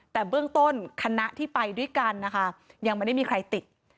แต่เบื้องต้นคณะที่ไปด้วยกันนะคะยังไม่ได้มีใครติด